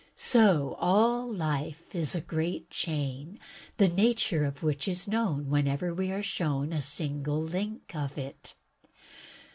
So all life is a great chain, the nature of which is known whenever we are shown a single link of it.